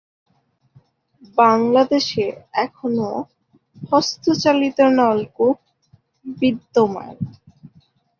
বাংলাদেশে এখনো হস্তচালিত নলকূপ বিদ্যমান।